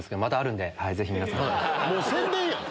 もう宣伝やん！